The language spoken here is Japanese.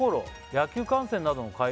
野球観戦などの帰りに」